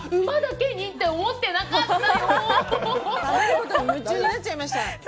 馬だけにって思ってなかったよ。